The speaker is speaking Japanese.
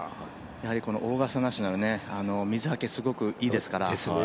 オーガスタ・ナショナル、水はけがすごくいいですから。